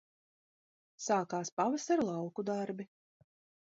Sākās pavasara lauku darbi